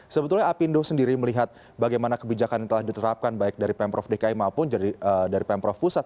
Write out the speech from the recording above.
sebetulnya apindo sendiri melihat bagaimana kebijakan yang telah diterapkan baik dari pemprov dki maupun dari pemprov pusat